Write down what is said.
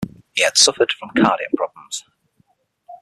He had suffered from cardiac problems.